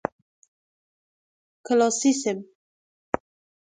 کلاسیسیسم